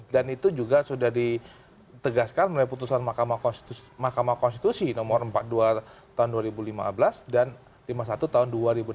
dan itu juga sudah ditegaskan melalui putusan makamah konstitusi nomor empat puluh dua tahun dua ribu lima belas dan lima puluh satu tahun dua ribu enam belas